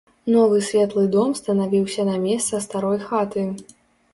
Новы светлы дом станавіўся на месца старой хаты.